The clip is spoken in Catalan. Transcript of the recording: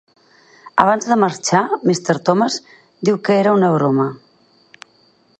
Abans de marxar, Mr. Thomas diu que era una broma.